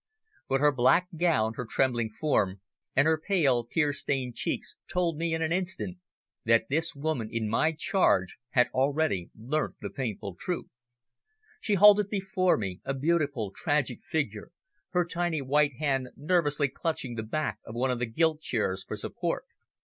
But her black gown, her trembling form, and her pale, tear stained cheeks told me in an instant that this woman in my charge had already learnt the painful truth. She halted before me, a beautiful, tragic figure, her tiny white hand nervously clutching the back of one of the gilt chairs for support.